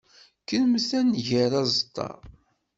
Kremt ad nger aẓeṭṭa.